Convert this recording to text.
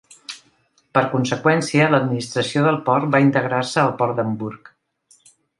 Per conseqüència l'administració del port va integrar-se al port d'Hamburg.